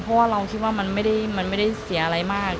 เพราะว่าเราคิดว่ามันไม่ได้เสียอะไรมาก